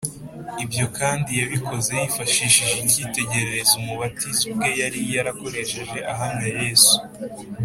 ibyo kandi yabikoze yifashishije icyitegererezo umubatiza ubwe yari yarakoresheje ahamya yesu